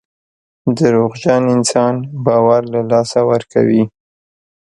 دروغجن انسان باور له لاسه ورکوي.